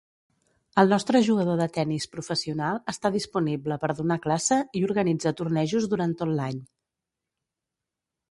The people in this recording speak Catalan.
El nostre jugador de tennis professional està disponible per donar classe i organitza tornejos durant tot l'any.